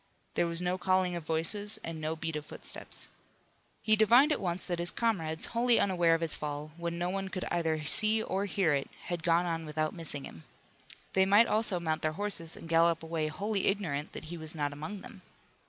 There was no calling of voices and no beat of footsteps. He divined at once that his comrades, wholly unaware of his fall, when no one could either see or hear it, had gone on without missing him. They might also mount their horses and gallop away wholly ignorant that he was not among them.